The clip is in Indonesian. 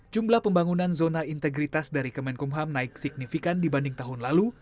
jumlah pembangunan zona integritas dari kemenkumham naik signifikan dibanding tahun lalu